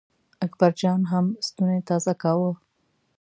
اکبر جان هم ستونی تازه کاوه.